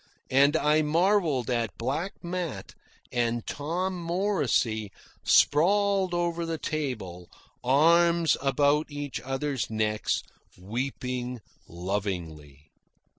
And I marvelled at Black Matt and Tom Morrisey, sprawled over the table, arms about each other's necks, weeping lovingly.